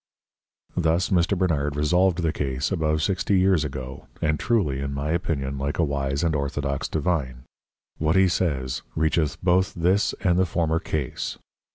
Thus Mr. Bernard resolved the Case above sixty Years ago; and truly in my Opinion like a Wise and Orthodox Divine, what he says, reacheth both this and the former Case.